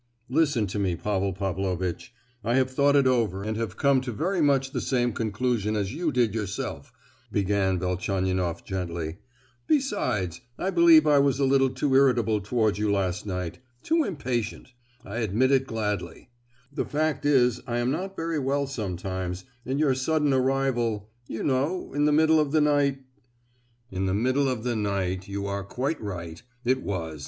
"Listen to me, Pavel Pavlovitch: I have thought it over and have come to very much the same conclusion as you did yourself," began Velchaninoff gently; "besides—I believe I was a little too irritable towards you last night—too impatient,—I admit it gladly; the fact is—I am not very well sometimes, and your sudden arrival, you know, in the middle of the night——" "In the middle of the night: you are quite right—it was!"